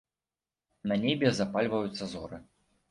На небе запальваюцца зоры.